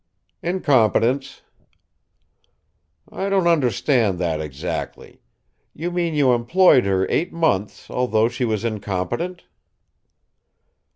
"Incompetence." "I don't understand that exactly. You mean you employed her eight months although she was incompetent?"